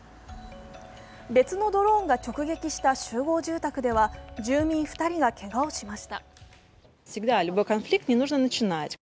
別のドローンが直撃した集合住宅では住民２人がけがをしました。